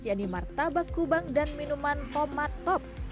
yang dimartabak kubang dan minuman tomat top